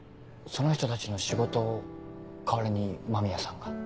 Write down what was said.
その人たちの仕事を代わりに間宮さんが。